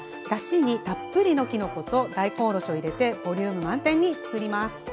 だしにたっぷりのきのこと大根おろしを入れてボリューム満点に作ります。